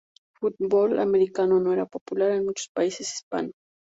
Fútbol americano no era popular en muchos países hispanos.